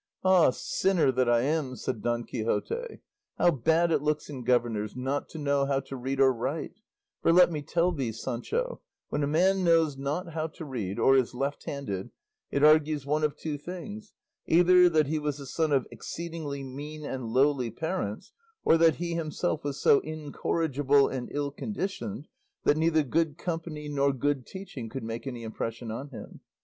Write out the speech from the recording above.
"Ah, sinner that I am!" said Don Quixote, "how bad it looks in governors not to know how to read or write; for let me tell thee, Sancho, when a man knows not how to read, or is left handed, it argues one of two things; either that he was the son of exceedingly mean and lowly parents, or that he himself was so incorrigible and ill conditioned that neither good company nor good teaching could make any impression on him.